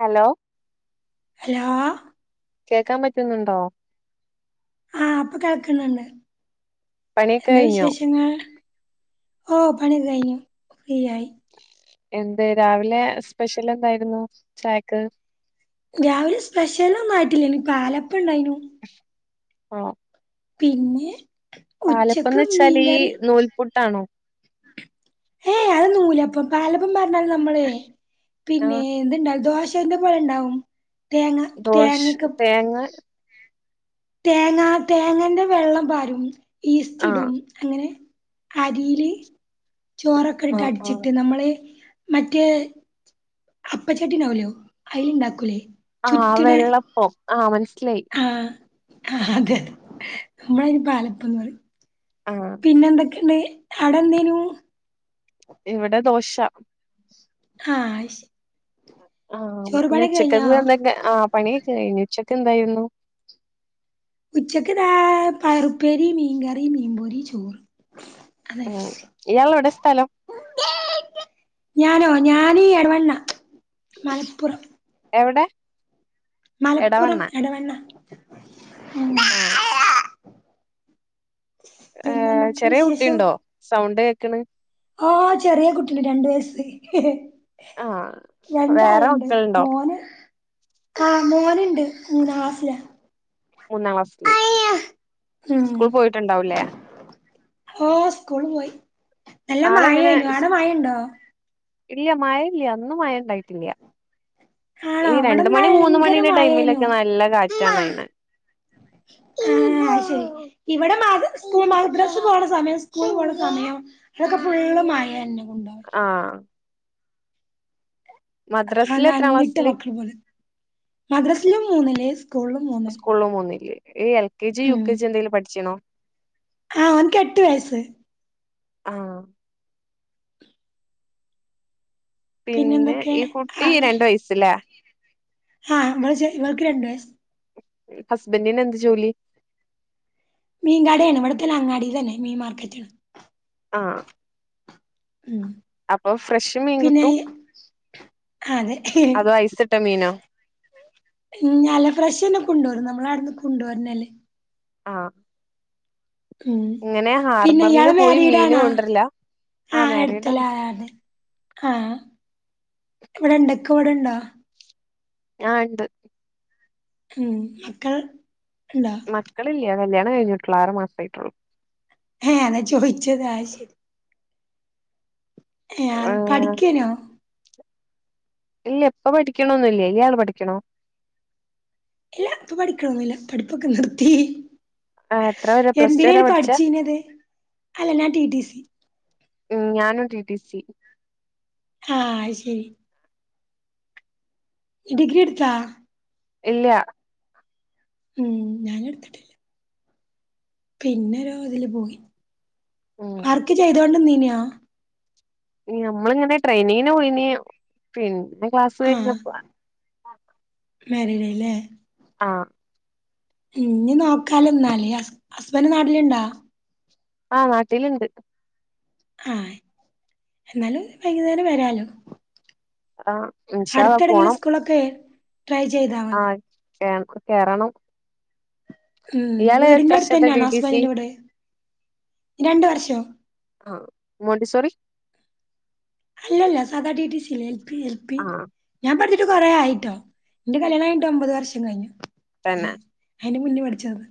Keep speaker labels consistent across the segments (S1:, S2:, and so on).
S1: Hello
S2: hello
S1: കേക്കാൻ പറ്റുന്നുണ്ടോ
S2: ആഹ് പ്പ കേൾക്കന്ന്ണ്ട്
S1: പണിയൊക്കെ
S2: എന്താ
S1: കഴിഞ്ഞോ?
S2: വിശേഷങ്ങൾ ഓഹ് പണിയൊക്ക കഴിഞ്ഞു. ഫ്രീയായി
S1: എന്തേ രാവിലെ സ്പെഷ്യൽ എന്തായിരുന്നു ചായക്ക്
S2: രാവിലെ സ്പെഷ്യലൊന്നും ആയിട്ടില്ലേനി പാലപ്പണ്ടായ്നു
S1: ആഹ്
S2: പിന്നെ ഉച്ചക്ക്
S1: പാലപ്പന്ന് വെച്ചാല് ഈ
S2: മീങ്കറി
S1: നൂൽപുട്ടാണോ
S2: ഏയ് അത് നൂലപ്പം പാലപ്പം പർഞ്ഞാല് നമ്മളെയ് പിന്നേ
S1: ആഹ്
S2: എന്തുണ്ടാവും ദോശേന്റെ പോലെണ്ടാവും. തേങ്ങ
S1: ദോശ
S2: തേങ്ങക്കെ
S1: തേങ്ങ
S2: തേങ്ങാ തേങ്ങന്റെ വെള്ളം പാരും
S1: ആഹ്
S2: ഈസ്റ്റിടും അങ്ങനെ അരീല്
S1: ആഹ് ആഹ്
S2: ചോറൊക്കെട്ടിട്ടടിച്ചിട്ട് നമ്മള് മറ്റേ അപ്പച്ചട്ടിണ്ടാവുല്ലോ അയില്ണ്ടാക്കൂലേ
S1: ആഹ്
S2: ചുറ്റ്ണെ
S1: വെള്ളപ്പം ആഹ് മനസ്സിലായി
S2: ആഹ് അതെതെ നമ്മളയിന് പാലപ്പം ന്ന് പറയും
S1: ആഹ്
S2: പിന്നെന്തൊക്കെണ്ട് അവടെ എന്തേനു
S1: ഇവിടെ ദോശ
S2: ഹാഹ് അയ്ശെ
S1: ആഹ് പിന്നെ ഉച്ചക്കേക്ക്ന്തൊക്കെ ആഹ് പണിയൊക്ക കഴിഞ്ഞ് ഉച്ചക്ക് എന്തായിരുന്നു
S2: ഉച്ചക്ക്താ പയറുപ്പേരി മീൻകറി മീൻപൊരി ചോറ് അതെ
S1: ഉം ഇയാളെവിടെ സ്ഥലം
S2: ഞാനോ ഞാന് എടവണ്ണ മലപ്പുറം
S1: എവടെ
S2: മലപ്പുറം, എടവണ്ണ ഉം
S1: ആഹ് ഏഹ്,
S2: പിന്നെന്തൊക്കെ
S1: ചെറിയ കുട്ടിണ്ടോ സൗണ്ട് കേക്ക് ണ്
S2: ഓഹ് ചെറിയ കുട്ടിണ്ട്, രണ്ട് വയസ്സ്
S1: ആഹ് വേറെ
S2: രണ്ടാൾണ്ട്
S1: മക്കളുണ്ടോ?
S2: മോന് ആഹ് മോനിണ്ട് മൂന്നാം ക്ലാസ്സില
S1: മൂന്നാം ക്ലാസ്സില് സ്കൂളി പോയിട്ടുണ്ടാവൂല്ലേ
S2: ഓഹ് സ്കൂളി പോയി നല്ല
S1: ആളെങ്ങനെ
S2: മഴേനു ആടെ മഴണ്ടോ
S1: ഇല്ല മഴ ഇല്ല ഇന്ന് മയ ണ്ടായിട്ടില്ല്യ
S2: ആണോ
S1: ഈ രണ്ട്
S2: ഇവിടെന്നാ
S1: മണി മൂന്ന്
S2: ഭയങ്കര
S1: മണിന്റെ
S2: മഴേനു
S1: ടൈമിലൊക്കെ നല്ല കാറ്റാണയിണെ
S2: ആഹ് അയ്ശരി ഇവിടെ മദ്രസ് പോണ സമയം സ്കൂളി പോണ സമയം ഇവിടൊക്കെ ഫുള്ള് മയന്നെ കൊണ്ട
S1: ആഹ്
S2: ആഹ്
S1: മദ്രാസില് എത്രാം
S2: നഞ്ഞിട്ട്
S1: ക്ലാസ്സില്
S2: മക്കൾ പോവല് മദ്രസില് മൂന്നില് സ്കൂളില്
S1: സ്കൂൾല് മൂന്നില്, ഈ എൽ കെ ജി യു
S2: ഉം
S1: കെ ജി എന്തെലും പഠിച്ചിണോ
S2: ആ ഓനിക്ക് എട്ട് വയസ്സ്
S1: ആഹ് പിന്നെ ഈ കുട്ടി രണ്ട് വയസ്സില്ലേ
S2: ആഹ് ഇവൾജ് ഇവൾക്ക് രണ്ട് വയസ്സ്
S1: ഹസ്ബന്റിന് എന്ത് ജോലി
S2: മീൻ കടേണ് ഇവിടുത്തെ ഒരു അങ്ങാടി തന്നെ മീൻ മാർക്കറ്റ്
S1: ആഹ്
S2: ഉം
S1: അപ്പൊ ഫ്രഷ് മീൻ
S2: പിന്നെ
S1: കിട്ടും
S2: അതെ
S1: അതോ ഐസ് ഇട്ട മീനൊ
S2: ഉം ഞല്ല ഫ്രഷന്നെ കൊണ്ടുവരും നമ്മൾ അടുന്ന് കൊണ്ട് വരണ ല്ലേ
S1: ആഹ്
S2: ഉം
S1: ഇങ്ങനെ
S2: പിന്നെ
S1: ഹാർബറില്
S2: ഇയാള്
S1: പോയി
S2: മാരിട്
S1: മീന്
S2: ആണാ
S1: കൊണ്ടരില്ല
S2: ആഹ് എടുത്തല്ലെ അതെ ആഹ് ഇവിടുണ്ടോ ഇക്ക ഇവിടുണ്ടോ
S1: ഞാൻ ണ്ട്
S2: ഉം മക്കൾ ണ്ടാ
S1: മക്കളില്ല്യ കല്യാണം കഴിഞ്ഞിട്ടുള്ളു ആറ് മാസായിട്ടുള്ളു
S2: അതാ ചോയിച്ചത് അയ്ശരി ഏഹ് പഠിക്കാനോ
S1: ഇല്ല ഇപ്പ പഠിക്കണൊന്നില്ല ഇയാൾ പഠിക്ക്ണോ
S2: ഇല്ല ഇപ്പൊ പഠിക്കണൊന്നൂല്ല പഠിപ്പൊക്കെ നിർത്തി
S1: ആ എത്ര വരെ പ്ലസ് ടു വരെ
S2: എന്തിനാണ്
S1: പഠിച്ചേ
S2: പഠിച്ചിന്നത് അല്ല ഞാൻ ടി ടി സി
S1: ഉം ഞാനും ടി ടി സി
S2: ഹാ അയ്ശരി ഡിഗ്രി എട്ത്താ
S1: ഇല്ലാ
S2: ഉം ഞാനെട്ത്തിട്ട് പിന്നൊരോ ഇതില് പോയി
S1: ഉം
S2: വർക്ക് ചെയ്ത് കൊണ്ട്ന്നീനാ
S1: ഈ ഞമ്മളിങ്ങനെ ട്രെയിനിങ്ങിന് പോയീനീ പിന്നെ ക്ലാസ്സ്
S2: ആഹ്
S1: കഴിഞ്ഞപ്പൊ ആ
S2: മാരീഡായില്ലേ
S1: ആഹ്
S2: ഇന്നി നോക്കാലെന്നാല് ഹസ് ഹസ്ബന്റ് നാട്ടിലിണ്ടാ
S1: ആഹ് നാട്ടിലിണ്ട്
S2: ആയ് എന്നാലും വൈകുന്നേരം വരാലൊ
S1: ആഹ് ഇൻഷാ അള്ളാ
S2: അടുത്തേടെങ്കിലും
S1: പോണം
S2: സ്കൂളൊക്കെ ട്രൈ ചെയ്താ മതി
S1: കേൻ ക്കിവിട കേറണം
S2: ഉം
S1: ഇയാള് എത്ര വർഷത്തെ ടി
S2: വീടിന്റടുത്തന്നെയാണോ
S1: ടി
S2: ഹസ് ബന്റി
S1: സി
S2: ന്റെവീട് രണ്ട് വർഷോ
S1: ആഹ് മോണ്ടിസോറി
S2: അല്ലല്ല സാധാ ടി ടി സി ഇല്ലേ എൽ പി എൽ പി
S1: ആഹ്
S2: ഞാൻ പഠിച്ചിട്ട് കൊറേ ആയിട്ടോ എന്റെ കല്യാണം കഴിഞ്ഞിട്ട് ഒമ്പത് വർഷം കഴിഞ്ഞു
S1: തന്നെ
S2: അയിന്റെ മുന്നേ പഠിച്ചതാ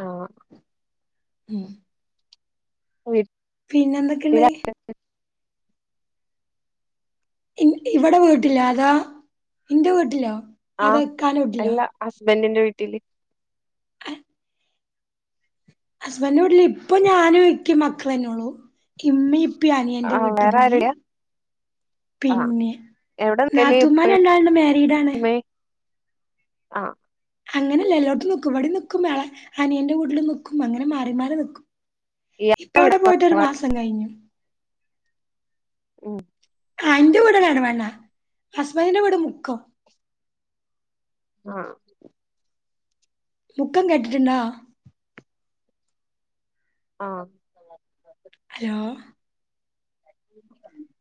S1: ആഹ്
S2: ഉം
S1: വിട്ട്
S2: പിന്നെന്തൊക്കിണ്ടായി ഇൻ ഇവടെ വീട്ടില്ലാതോ ഇന്റെ വീട്ടിലോ അതോ
S1: ആഹ്
S2: ഇക്കാന്റെ
S1: അല്ലാ
S2: വീട്ടിലോ
S1: ഹസ്ബൻഡിന്റ വീട്ടില്
S2: ഏഹ് ഹസ്ബൻ്റ വീട്ടില് ഇപ്പൊ ഞാനും ഇക്ക്യും മക്കളന്നെ ഒള്ളൂ ഇമ്മെയിപ് പ്യു അനിയന്റെ
S1: ആഹ്
S2: വീട്ടി
S1: വേറെ
S2: പോയി
S1: ആരുല്ല ആഹ്
S2: പിന്നെ
S1: എവിടെ നിക്കല്
S2: നാത്തൂമ്മാര്
S1: ഇപ്പേം
S2: രണ്ടാള്ണ്ട് മാരീഡാണ്
S1: ഉമ്മേം ആഹ്
S2: അങ്ങനെല്ല എല്ലോട്ത്തും നിക്കും ഇവടിം നിക്കും എളെ അനിയന്റെ വീട്ടിലും നിക്കും അങ്ങനെ മാറി മാറി നിക്കും
S1: ഇയാ
S2: ഇപ്പവടെ പോയിട്ടൊരു മാസം കഴിഞ്ഞു
S1: ഉം
S2: ആഹ് എന്റ വീട് എടവണ്ണ ഹസ്ബന്റിന്റ വീട് മുക്കം
S1: ആഹ്
S2: മുക്കം കേട്ടിട്ട്ണ്ടാ
S1: ആഹ് [inaudible]
S2: ഹലോ
S1: [inaudible]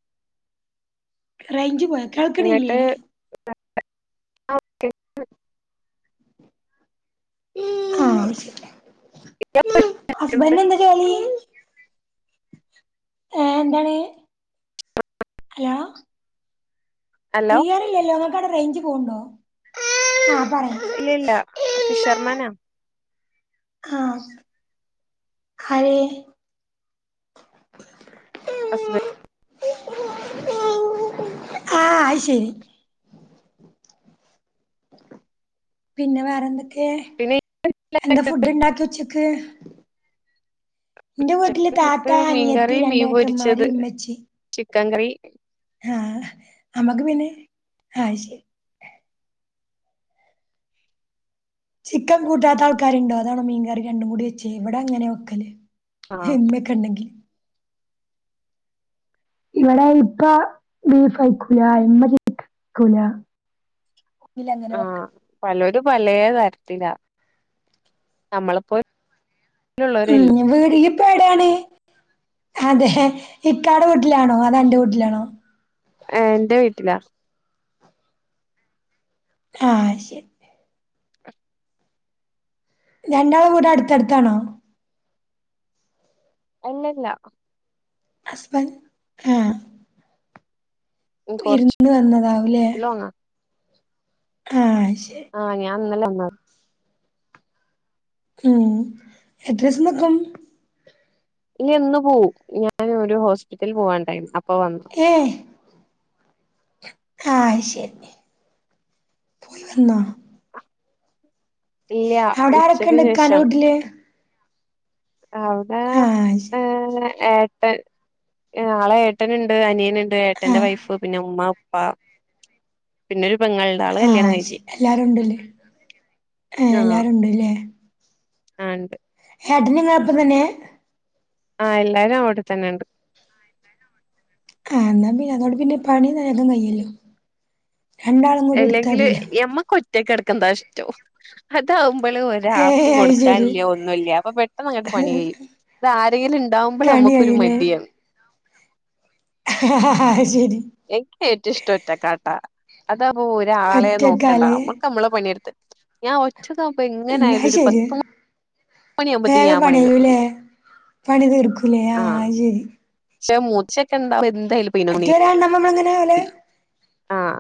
S2: റെയ്ഞ്ച് പോയോ കേൾക്ക്ണില്ല്യേ
S1: ഇങ്ങട്ട് ആ ഓക്കെ
S2: ആവശ്യില്ല ഹസ്ബൻഡ്നെന്താ ജോലി ഏ എന്താണ് ഹലോ
S1: ഹലോ
S2: ക്ലിയറില്ലല്ലോ നിങ്ങക്കവടെ റെയ്ഞ്ച് പോണ്ടോ ആഹ് പറയു
S1: ഇല്ലില്ലാ ആഹ് ഫിഷർമാനാ
S2: ആഹ് ആരേ
S1: ഹസ്ബൻ
S2: ആഹ് അയ്ശരി പിന്നെ വേറെന്തൊക്കേ
S1: പിന്നെ
S2: എന്താ ഫുഡ് ഇണ്ടാക്കി ഉച്ചക്ക് ഇന്റെ വീട്ടില്
S1: ഉച്ചക്ക്
S2: താത്ത
S1: പുട്ട്
S2: അനിയത്തി
S1: മീൻകറി മീൻ
S2: രണ്ട് ഏട്ടന്മാര്
S1: പൊരിച്ചത്
S2: ഇമ്മച്ചി
S1: ചിക്കൻ കറി
S2: ആഹ് അമ്മക്ക് പിന്നെ അയ് ശരി ചിക്കൻ കൂട്ടാത്ത ആൾക്കാരുണ്ടോ അതാണോ, മീൻകറി രണ്ടും കൂടി വെച്ചേ. ഇവിടെ അങ്ങനെ വെക്കല്
S1: ആ
S2: ഹിമ്മിയൊക്കെ ഉണ്ടെങ്കിൽ ഇവിടെ ഇപ്പ ബീഫ് കഴിക്കൂല, ഇമ്മള് കഴിക്കൂല ഇല്ലങ്ങനെ വക്കൂല്ല
S1: പലോരും പലേ തരത്തിലാ. നമ്മളെപ്പോലെ
S2: ഉം യ്യ് ഇപ്പ എടെയാണ് അതെ ഹ്ഹ. ഇക്കാടെ വീട്ടിലാണോ അതൊ അൻ്റെ വീട്ടിലാണോ
S1: ഏ എന്റെ വീട്ടിലാ
S2: ആഹ് അത് ശരി
S1: ഉം
S2: രണ്ടാള വീടും അടുത്തടുത്താണോ
S1: അല്ലല്ല
S2: ഹസ്ബൻഡ് ആഹ്
S1: കൊറച്ച്
S2: വിരുന്നു വന്നതാവൂല്ലേ
S1: ലോങ്ങാ
S2: ആഹ് ശരി
S1: ആഹ് ഞാൻ ഇന്നലെ വന്നത്.
S2: ഉം എത്രെസം നിക്കും
S1: ഇല്ല ഇന്ന് പോവും. ഞാന് ഒരു ഹോസ്പിറ്റലിൽ പോവാനുണ്ടായിന്, അപ്പൊ വന്നു
S2: ഏഹ് ആഹ് അത് ശരി പോയി വന്നോ
S1: ഇല്ല
S2: അവിടെ ആരൊക്കെ
S1: ഉച്ചക്ക്
S2: ഉണ്ട് ഇക്കാന്റെ
S1: ശേഷം
S2: വീട്ടില്
S1: അവിടാ
S2: ആഹ് ശരി
S1: ഏ ഏ നാളെ ഏട്ടനുണ്ട്, അനിയനുണ്ട്, ഏട്ടന്റെ
S2: ആഹ്
S1: വൈഫ് പിന്നെ ഉമ്മ പ പിന്നൊരു പെങ്ങളുണ്ട് ആള്
S2: ആഹ
S1: കല്യാണം കഴിഞ്ഞ്
S2: ശരി എല്ലാരുണ്ടല്ലേ, ആ എല്ലാരുണ്ട്ല്ലേ
S1: ആ ഉണ്ട്
S2: ഏട്ടനും ഇങ്ങളോടൊപ്പം തന്നെ
S1: ആ എല്ലാരും അവിടെത്തന്നെ ഉണ്ട്
S2: ആ എന്നാ പിന്നെ അതോട് പിന്നെ പണി വേഗം കയ്യല്ലോ. രണ്ടാളും കൂടി എടുത്താൽ
S1: അല്ലെങ്കില്
S2: മതിയല്ലോ.
S1: ഞമ്മക്ക് ഒറ്റ ഒറ്റക്കെടുക്കുന്നതാ ഇഷ്ടം അതാകുമ്പോള് ഒരു
S2: ഏ
S1: ഒരാക്ക്
S2: അത് ശരി
S1: കൊടുക്കാനില്ല ഒന്നുല്ല. അപ്പൊ പെട്ടെന്ന് അങ്ങട്ട് പണി കഴിയും അത് ആരെങ്കിലും ഉണ്ടാവുമ്പോൾ
S2: കണി
S1: നമുക്കൊരു
S2: കയ്യൂലേ
S1: മടിയാണ്
S2: അത് ശരി
S1: എനിക്കേറ്റിഷ്ടം ഒറ്റക്കാട്ടോ അതാവുമ്പോ ഒരാളെ നോക്കണ്ടാ
S2: ഒറ്റക്കാല്
S1: നമ്മക്ക് നമ്മക്ക് നമ്മളെ പണിയെടുത്ത്, ഞാൻ ഒറ്റക്കാവുമ്പ
S2: ഉം അത്
S1: എങ്ങനൊയാലും ഒരു
S2: ശരി
S1: പത്ത് മണിയാവുമ്പത്തേക്ക്
S2: വേഗം
S1: ഞാൻ പണി
S2: പണികയും ലേ
S1: തീർക്കും
S2: പണിതീർക്കൂല്ലേ. ആഹ
S1: ആഹ്
S2: അത്ശരി
S1: പക്ഷെ മുച്ചിയൊക്കെ ഉണ്ടാവും എന്തായാലും.
S2: മറ്റെരാൾ ഉണ്ടാവുമ്പോ നമ്മള
S1: ആഹ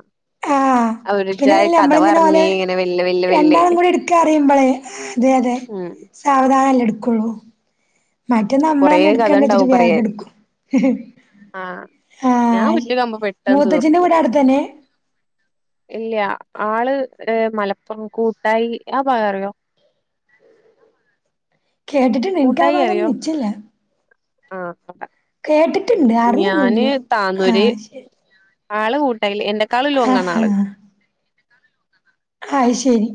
S2: പിന്നെതല്ല നമ്മളിങ്ങനെ ഓലെ,
S1: വെല്ലെ വെല്ലെ വെല്ലെ
S2: രണ്ടാളും കൂടി എടുക്കാന്നറിയുമ്പോളെ അതെ അതെ.
S1: ഉം
S2: സാവധാനല്ലേ എടുക്കുള്ളൂ. മറ്റേ നമ്മള്
S1: കൊറേ
S2: തന്നെ
S1: കഥ
S2: എടുക്കണ്ടേന്ന് വെച്ചിട്ട്
S1: ഇണ്ടാവും
S2: വേഗം
S1: പറയാന്
S2: എടുക്കും.
S1: ആഹ്
S2: ആഹ്
S1: ഞാൻ
S2: അഹ് ശരി
S1: ഉച്ചക്കാകുമ്പോ പെട്ടെന്ന്
S2: മൂത്തച്ഛിന്റെ
S1: തീർക്കും
S2: വീട് അവിടത്തന്നെ.
S1: [inaudible] ഇല്ല ആള് മലപ്പുറം കൂട്ടായി, ആ ഭാഗം അറിയോ
S2: കേട്ടിട്ടുണ്ട് എനക്ക് ആ ഭാഗം ഒന്നും നിശ്ച്ചില്ല.
S1: ആഹ് അത
S2: കേട്ടിട്ടുണ്ട്. അറിയൊന്നുല്ല. ആ
S1: താന്നൂര്
S2: ശരി
S1: ആള് ഉണ്ടായില്. എന്നെക്കാളും ലോങ്ങാണ്
S2: ആഹ്
S1: ആള്.
S2: അഹ് ശരി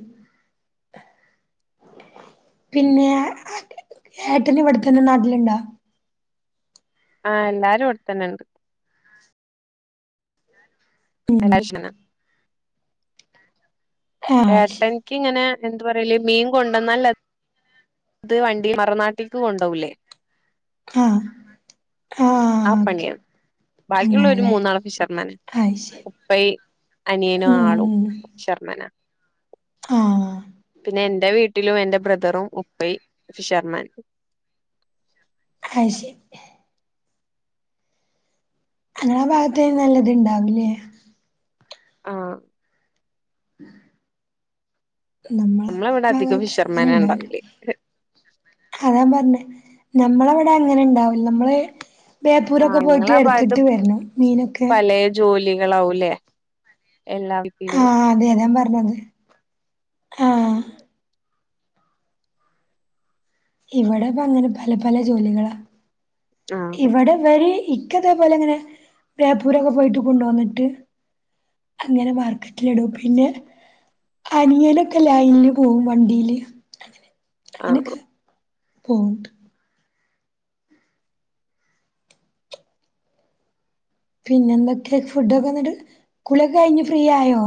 S2: പിന്നെ ഏട്ടന് ഇവിടത്തന്നെ നാട്ടിലുണ്ടാ
S1: ആഹ എല്ലാരും വട്ത്തന്നെണ്ട്
S2: ഉം
S1: എല്ലാന [unintelligible]
S2: ആഹ് ശരി
S1: ഏട്ടൻക്കിങ്ങനെ എന്ത പറയല് മീൻ കൊണ്ടന്നല്ല ഇത് വണ്ടി മറനാട്ടിക്ക് കൊണ്ടോവൂലേ
S2: ആഹ് ആഹ്
S1: ആ
S2: ഓക്കെ
S1: പണിയാണ് ബാക്കിയുള്ള ഒരു
S2: അങ്ങനെല്ലേ
S1: മൂന്നാള് ഫിഷർമാൻ
S2: അത് ശരി
S1: ഇപ്പയീ അനിയനും ആളും
S2: ഉം
S1: ഫിഷർമാനാ
S2: ആഹ്
S1: പിന്നെ എന്റെ വീട്ടിലും എൻറെ ബ്രദറും ഉപ്പൈ ഫിഷർമാൻ
S2: അയ്ശരി അങ്ങനെ ആ ഭാഗത്ത നല്ലത് ഇണ്ടാവില്ലേ
S1: ആഹ്
S2: നമ്മള
S1: ഇവിടെ അധികം
S2: ഭാഗത്ത് അങ്ങനെ
S1: ഫിഷർമാന
S2: ഉണ്ടാവില്ല
S1: ഉണ്ടാവില്ലേ
S2: അതാ പറഞ്ഞേ നമ്മളവിടെ അങ്ങനെ ഉണ്ടാവൂ നമ്മള് ബേപ്പൂരൊക്കെ പോയിട്ട്
S1: നിങ്ങളാ
S2: എടുത്തിട്ട് വരണം മീനൊക്കെ
S1: ജോലികളാവുംല്ലേ എല്ലാ വീട്ടിലും
S2: ആഹ അതെ അതെ ഞാൻ പറഞ്ഞത് ആഹ ഇവിടെ ഇപ്പ അങ്ങനെ പല പല ജോലികളാ
S1: ആഹ്
S2: ഇവിടെ വര് ഇക്കതേപോലെ ഇങ്ങനെ ബേപ്പൂരൊക്കെ പോയിട്ട് കൊണ്ടു വന്നിട്ട് അങ്ങനെ മാർക്കറ്റിൽടും പിന്നെ അനിയനൊക്കെ ലൈഞ്ഞ് പോവും വണ്ടിയില്
S1: ആഹ്
S2: [unintelligible] പോവ്ണ്ട് പിന്നെ എന്തൊക്കെ ഫുഡൊക്കെ വന്നിട്ട് കുളിയ ഒക്കെ കഴിഞ്ഞ് ഫ്രീ ആയോ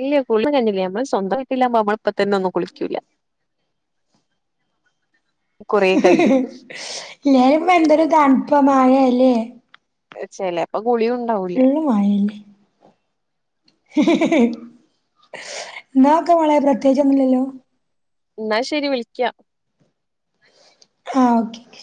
S1: ഇല്ല [unintelligible] നമ്മള് സ്വന്തമായിട്ടില്ലാ്പോ നമ്മള ഇപ്പോ തന്നെ ഒന്നും കുളിക്കൂല്ല കൊറേ കഴിയും
S2: ഇല്ലാലും ഇപ്പ എന്തൊരു തണുപമാകല്ലേ
S1: ചേലേപ്പെ കുളിയും ഉണ്ടാവൂലേ
S2: ള്ളും മായന്നെ ന്നാക്കെ മോളെ പ്രത്യേകൊച്ചൊന്നുല്ലല്ലോ
S1: ന്നാ ശെരി വിളിക്കാ
S2: ആഹ് ഓക്കെ